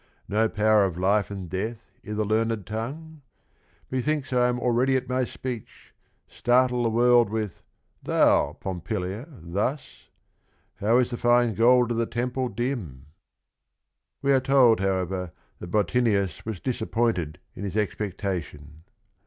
No power of life and death i' the learned tongue? Methinks I am already at my speech, Startle the world with 'Thou, Pompilia, thus? How is the fine gold of the Temple dim 1 '" We are told, however, that Bottinius was dis appointed in his expectation.